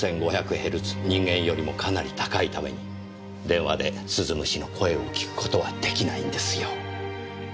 人間よりもかなり高いために電話で鈴虫の声を聞くことは出来ないんですよ。